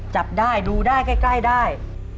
จับได้ดูได้ใกล้ได้